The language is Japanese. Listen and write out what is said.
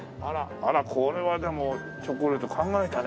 あらこれはでもチョコレート考えたね